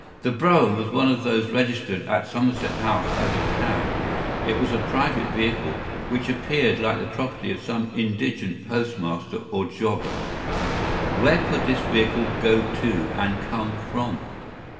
The brougham was one of those registered at Somerset House as a cab. It was a private vehicle, which appeared like the property of some indigent postmaster or jobber. Where could this vehicle go to and come from?